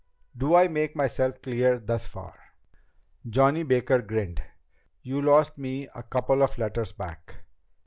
"Do I make myself clear thus far?" Johnny Baker grinned. "You lost me a couple of letters back."